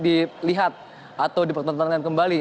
dilihat atau dipertontonkan kembali